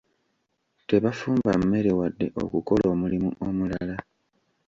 Tebafumba mmere wadde okukola omulimu omulala.